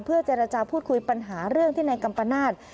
เจรจาพูดคุยปัญหาเรื่องที่นายกัมปนาศ